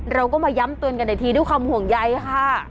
เราก็มาย้ำเตือนกันอีกทีด้วยความห่วงใยค่ะ